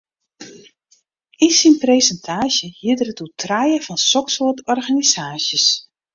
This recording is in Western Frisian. Yn syn presintaasje hie er it oer trije fan soksoarte organisaasjes.